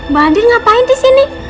bandin ngapain disini